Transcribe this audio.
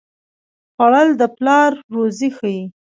خوړل د پلار روزي ښيي